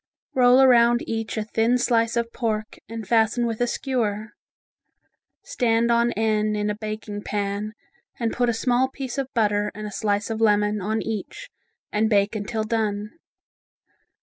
Roll around each a thin slice of pork and fasten with a skewer. Stand on end in a baking pan and put a small piece of butter and a slice of lemon on each and bake until done.